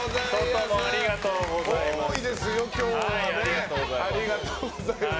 外もありがとうございます。